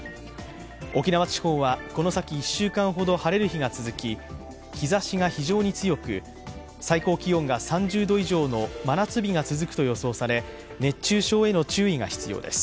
沖縄地方はこの先１週間ほど晴れる日が続き日ざしが非常に強く、最高気温が３０度以上の真夏日を続くと予想され、熱中症への注意が必要です。